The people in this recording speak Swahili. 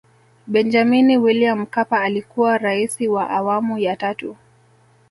Benjamini Wiliam Mkapa alikuwa Raisi wa awamu ya tatu